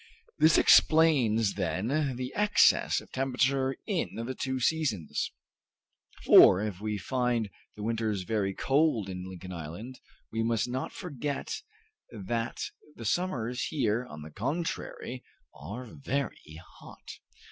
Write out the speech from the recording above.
This explains then the excess of temperature in the two seasons, for, if we find the winters very cold in Lincoln Island, we must not forget that the summers here, on the contrary, are very hot."